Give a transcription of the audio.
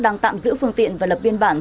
đang tạm giữ phương tiện và lập biên bản